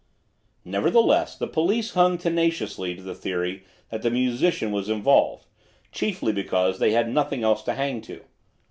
Nevertheless, the police hung tenaciously to the theory that the musician was involved, chiefly because they had nothing else to hang to.